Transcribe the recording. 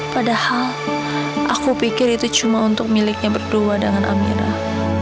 padahal aku pikir itu cuma untuk miliknya berdua dengan aminah